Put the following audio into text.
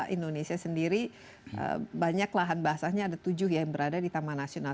indonesia sendiri banyak lahan basahnya ada tujuh ya yang berada di taman nasional